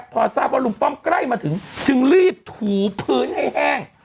พอทราบว่าลุงป้อมใกล้มาถึงจึงรีบถูพื้นให้แห้ง